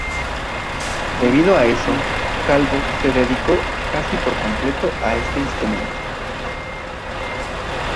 Debido a eso, Calvo se dedicó casi por completo a este instrumento.